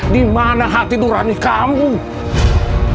dimana hati durani kamu tidak peduli sama sekali